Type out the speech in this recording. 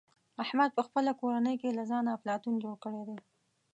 احمد په خپله کورنۍ کې له ځانه افلاطون جوړ کړی دی.